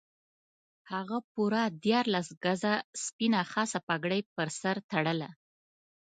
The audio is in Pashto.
هغه پوره دیارلس ګزه سپینه خاصه پګړۍ پر سر تړله.